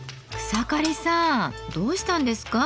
草刈さんどうしたんですか？